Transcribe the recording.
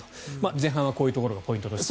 前半はこういうところがポイントとして。